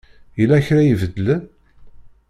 Yella kra ibeddlen?